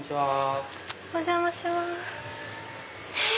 お邪魔します。